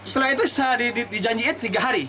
setelah itu saya dijanjiin tiga hari